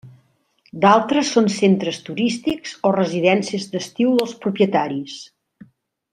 D'altres són centres turístics o residències d'estiu dels propietaris.